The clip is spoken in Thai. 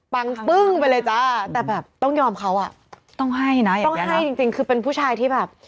ปึ้งไปเลยจ้าแต่แบบต้องยอมเขาอ่ะต้องให้นะต้องให้จริงคือเป็นผู้ชายที่แบบ